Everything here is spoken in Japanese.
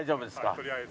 とりあえず。